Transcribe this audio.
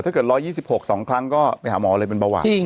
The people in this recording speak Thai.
ถ้าเกิด๑๒๖สองครั้งก็ไปหาหมอเลยเป็นเบาหวะ